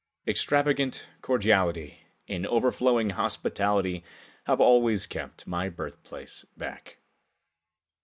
Extravagant cordiality and overflowing hospitality have always kept my birthplace back.